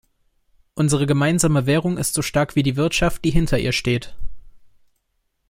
Unsere gemeinsame Währung ist so stark wie die Wirtschaft, die hinter ihr steht.